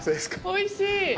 おいしい！